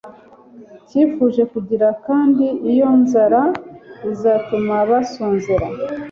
cyifuje kugira kandi iyo nzara izatuma basonzera